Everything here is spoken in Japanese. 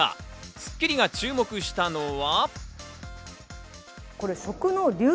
『スッキリ』が注目したのは。